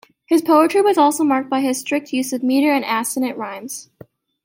His poetry was also marked by his strict use of meter and assonant rhymes.